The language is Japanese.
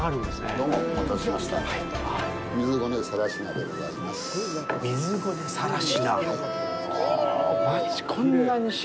どうも、お待たせしました。